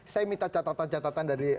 saya minta catatan catatan dari